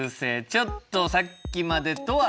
ちょっとさっきまでとは。